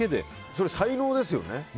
それ才能ですよね。